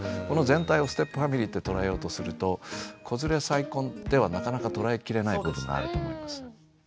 この全体をステップファミリーって捉えようとすると子連れ再婚ではなかなか捉えきれない部分があると思います。